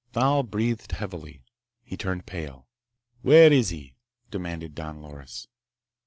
Thal breathed heavily. He turned pale. "Where is he?" demanded Don Loris.